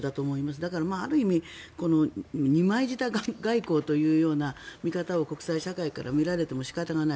だから、ある意味二枚舌外交というような見方で国際社会から見られても仕方がない。